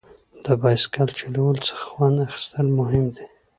د بایسکل چلولو څخه خوند اخیستل مهم دي.